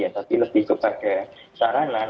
tapi lebih kepada sarana